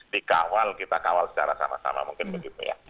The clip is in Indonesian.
dikawal kita kawal secara sama sama mungkin begitu ya